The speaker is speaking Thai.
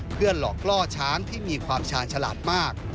เพื่อหลอกล่อช้างที่มีความชาญฉลาดมาก